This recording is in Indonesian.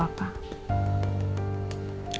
gak ada jadwal kuliah kan